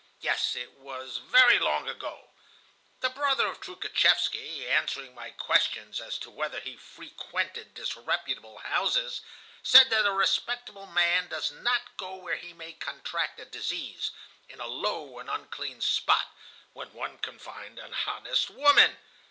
Yes, it was very long ago. The brother of Troukhatchevsky, answering my questions as to whether he frequented disreputable houses, said that a respectable man does not go where he may contract a disease, in a low and unclean spot, when one can find an honest woman.